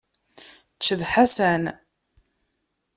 Ečč d Ḥasan!